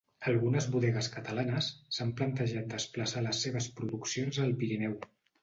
Algunes bodegues catalanes s'han plantejat desplaçar les seves produccions al Pirineu.